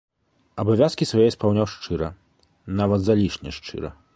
Абавязкі свае спаўняў шчыра, нават залішне шчыра.